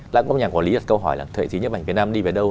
lãnh quốc nhà quản lý đặt câu hỏi là thuệ thí nhấp ảnh việt nam đi về đâu